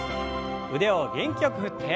腕を元気よく振って。